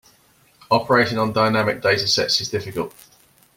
Operating on dynamic data sets is difficult.